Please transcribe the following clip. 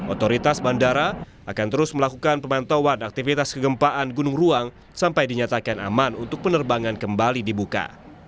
otoritas bandara akan terus melakukan pemantauan aktivitas kegempaan gunung ruang sampai dinyatakan aman untuk penerbangan kembali dibuka